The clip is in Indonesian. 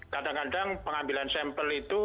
kadang kadang pengambilan sampel itu